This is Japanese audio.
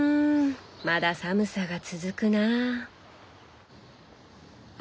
まだ寒さが続くなあ。